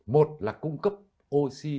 một là cung cấp oxy